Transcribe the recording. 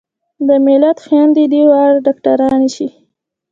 د ملت خويندې دې واړه ډاکترانې شي